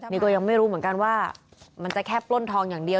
นี่ก็ยังไม่รู้เหมือนกันว่ามันจะแค่ปล้นทองอย่างเดียว